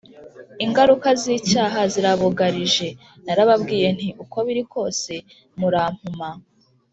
ingaruka z'icyaha zirabugarije, narababwiye nti uko biri kose muramumpa,